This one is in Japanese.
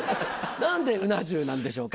何でうな重なんでしょうか？